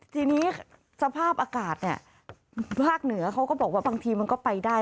ทีนี้สภาพอากาศเนี่ยภาคเหนือเขาก็บอกว่าบางทีมันก็ไปได้